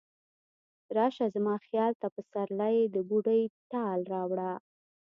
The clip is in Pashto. راشه زما خیال ته، پسرلی د بوډۍ ټال راوړه